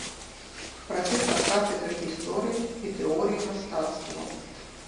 Прафесар кафедры гісторыі і тэорыі мастацтваў.